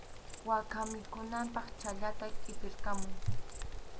Waka mikhunanpaq chhallata qʼipirqamuy.